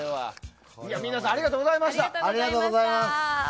ミーナさんありがとうございました。